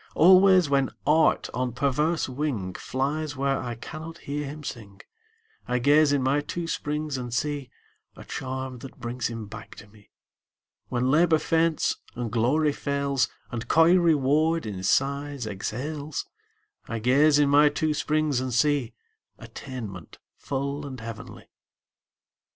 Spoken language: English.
Always, when Art on perverse wing Flies where I cannot hear him sing, I gaze in my two springs and see A charm that brings him back to me. When Labor faints, and Glory fails, And coy Reward in sighs exhales, I gaze in my two springs and see Attainment full and heavenly.